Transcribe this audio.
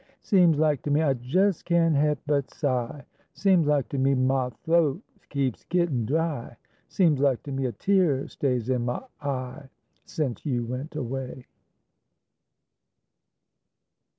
Seems lak to me I jes can't he'p but sigh, Seems lak to me ma th'oat keeps gittin' dry, Seems lak to me a tear stays in ma eye, Sence you went away.